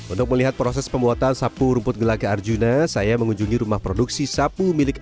untuk melihat proses pembuatan sapu rumput gelaga arjuna saya mengunjungi rumah produksi sapu milik